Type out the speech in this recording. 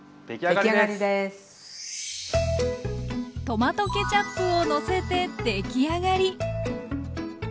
トマトケチャップをのせてできあがり！